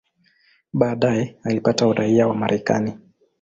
Baadaye alipata uraia wa Marekani.